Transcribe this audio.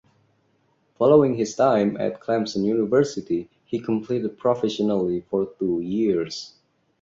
Following his time at Clemson University he competed professionally for two years.